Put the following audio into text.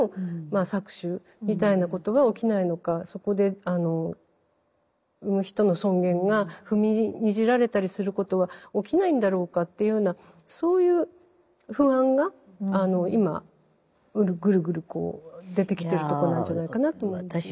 そこで産む人の尊厳が踏みにじられたりすることは起きないんだろうかっていうようなそういう不安が今ぐるぐるこう出てきてるとこなんじゃないかなと思いますね。